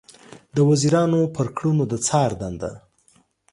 د وزیرانو پر کړنو د څار دنده